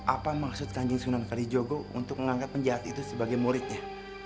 apa maksud kanjing sunan kalijogo untuk mengangkat penjahat itu sebagai muridnya